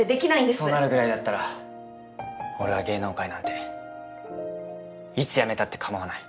そうなるくらいだったら俺は芸能界なんていつ辞めたってかまわない。